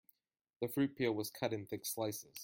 The fruit peel was cut in thick slices.